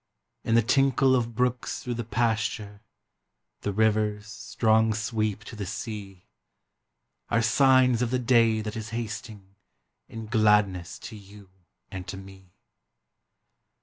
In the tinkle of brooks through the pasture, The river's strong sweep to the sea. Are signs of the day that is hasting In gladness to you and to me.